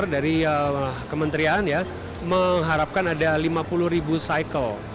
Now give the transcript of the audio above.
dari kementerian ya mengharapkan ada lima puluh ribu cycle